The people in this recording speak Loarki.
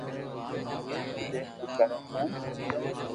جي تو ڪري ھي